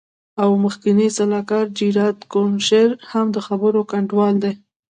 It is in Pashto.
او مخکینی سلاکار جیراد کوشنر هم د خبرو ګډونوال دی.